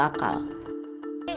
atau tidak masuk akal